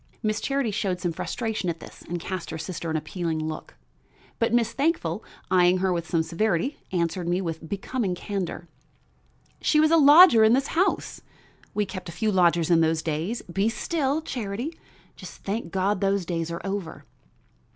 Miss Charity showed some flustration at this and cast her sister an appealing look; but Miss Thankful, eying her with some severity, answered me with becoming candor: "She was a lodger in this house. We kept a few lodgers in those days be still, Charity! Just thank God those days are over."